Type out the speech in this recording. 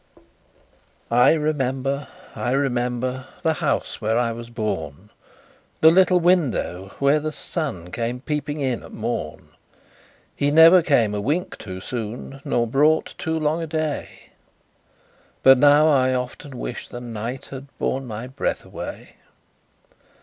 I remember, I remember, The house where I was born, The little window where the sun Came peeping in at morn; He never came a wink too soon, Nor brought too long a day, But now, I often wish the night Had borne my breath away!